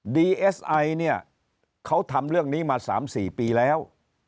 ดีเอสไอเนี่ยเขาทำเรื่องนี้มา๓๔ปีแล้ว